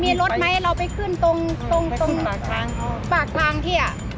มีรถไหมเราไปขึ้นตรงปากทางเฮีย